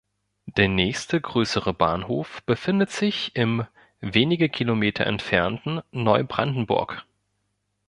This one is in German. Der nächste größere Bahnhof befindet sich im wenige Kilometer entfernten Neubrandenburg.